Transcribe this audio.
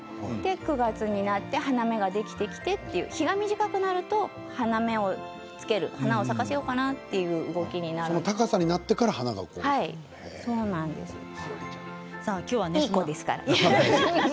９月になって花芽ができてきて日が短くなると花芽をつける花を咲かせようかなという動きにその高さになってからいい子ですからね。